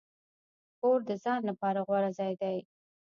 کور د ځان لپاره غوره ځای دی.